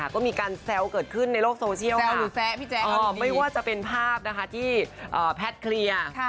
ก็มีการแซวเกิดขึ้นในโลกโซเชียลไม่ว่าจะเป็นภาพนะคะที่แพทย์เคลียร์